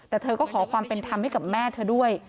แต่เธอก็ขอความเป็นธรรมให้กับแม่เธอด้วย